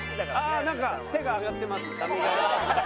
ああなんか手が上がってます。